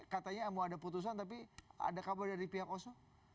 katanya mau ada putusan tapi ada kabar dari pihak oso